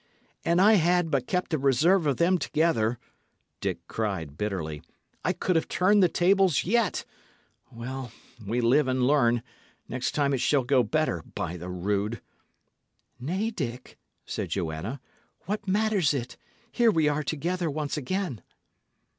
"An I had but kept a reserve of them together," Dick cried, bitterly, "I could have turned the tables yet! Well, we live and learn; next time it shall go better, by the rood." "Nay, Dick," said Joanna, "what matters it? Here we are together once again."